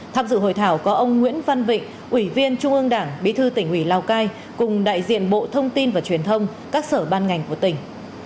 tham dự hội thảo có ông nguyễn văn vịnh ủy viên trung ương đảng bí thư tỉnh ủy lào cai cùng đại diện bộ thông tin và truyền thông các sở ban ngành của tỉnh